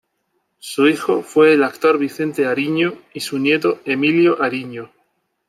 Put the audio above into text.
Su hijo fue el actor Vicente Ariño y su nieto Emilio Ariño.